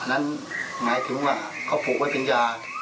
นั้นหมายถึงว่าเขาผูกไว้เป็นยา